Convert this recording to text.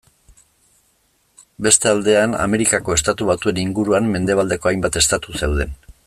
Beste aldean Amerikako Estatu Batuen inguruan mendebaldeko hainbat estatu zeuden.